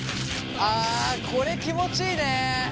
あこれ気持ちいいね！